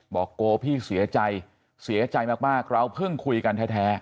บอกโกพี่เสียใจเสียใจมากเราเพิ่งคุยกันแท้